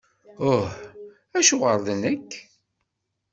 Uh! Acuɣer d nekk?!